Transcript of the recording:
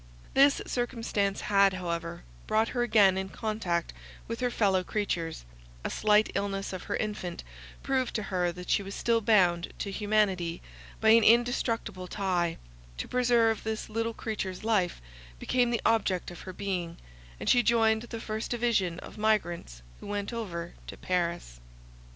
This circumstance had however brought her again in contact with her fellow creatures; a slight illness of her infant, proved to her that she was still bound to humanity by an indestructible tie; to preserve this little creature's life became the object of her being, and she joined the first division of migrants who went over to Paris.